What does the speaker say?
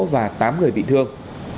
và tám người bị thương